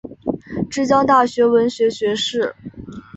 之江大学文学学士。